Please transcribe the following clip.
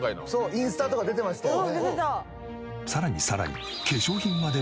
インスタとか出てましたよね。